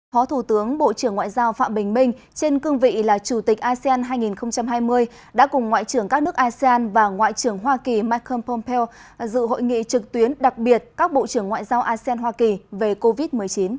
phó thủ tướng bộ trưởng ngoại giao phạm bình minh trên cương vị là chủ tịch asean hai nghìn hai mươi đã cùng ngoại trưởng các nước asean và ngoại trưởng hoa kỳ michael pompeo dự hội nghị trực tuyến đặc biệt các bộ trưởng ngoại giao asean hoa kỳ về covid một mươi chín